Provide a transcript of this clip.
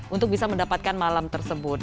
untuk bisa mendapatkan malam tersebut